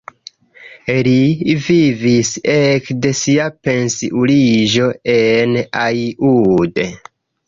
Li vivis ekde sia pensiuliĝo en Aiud.